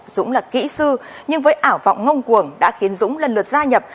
dũng là kỹ sư nhưng với ảo vọng ngông cuồng đã khiến dũng lần lượt gia nhập